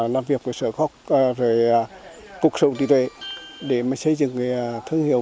làm việc với sở khóc cục sổ tỷ tuệ để xây dựng thương hiệu